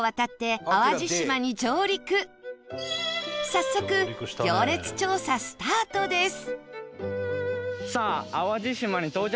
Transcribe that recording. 早速行列調査スタートです